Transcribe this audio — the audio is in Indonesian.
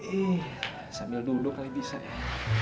ih sambil duduk kali bisa ya